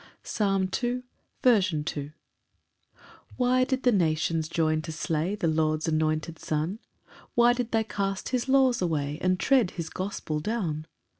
] Psalm 2:2. C. M. The same. 1 Why did the nations join to slay The Lord's anointed Son? Why did they cast his laws away, And tread his gospel down?